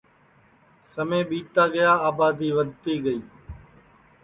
سمے ٻیتا گیا آبادی ودھتی گئی اور یہ ٻڈؔا جیناور جِدؔا بھنس ہوئی گی